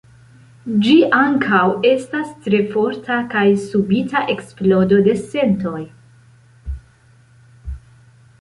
Ĝi ankaŭ estas tre forta kaj subita eksplodo de sentoj.